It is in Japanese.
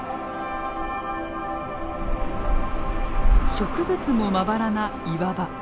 植物もまばらな岩場。